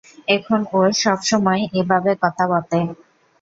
এখন, ও সবতময় এবাবে কতা বতে।